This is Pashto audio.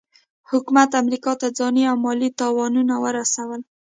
حکومت امریکا ته ځاني او مالي تاوانونه ورسول.